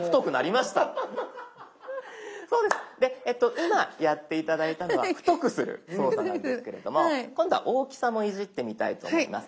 今やって頂いたのは太くする操作なんですけれども今度は大きさもいじってみたいと思います。